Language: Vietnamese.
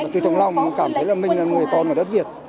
từ thượng lòng cảm thấy là mình là người con ở đất việt